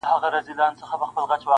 خدای مي مین کړی پر غونچه د ارغوان یمه -